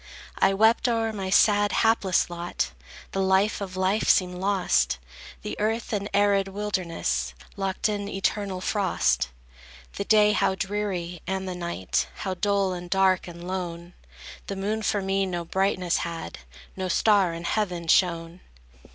I wept o'er my sad, hapless lot; The life of life seemed lost; The earth an arid wilderness, Locked in eternal frost; The day how dreary, and the night How dull, and dark, and lone! The moon for me no brightness had, No star in heaven shone.